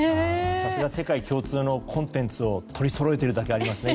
さすが世界共通のコンテンツを取りそろえているだけありますね